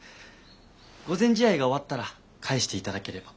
御前試合が終わったら返していただければ。